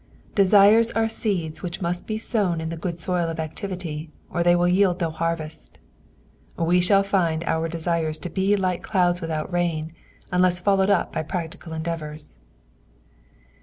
Desires ore seeds which must be sown in the rid soil of activity, or they will yield no harvest. We shall find our desires to like clouds without rain, unless followed up hy practical endeaTours.